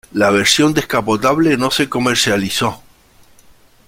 La versión descapotable no se comercializó.